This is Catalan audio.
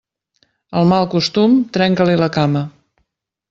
Al mal costum, trenca-li la cama.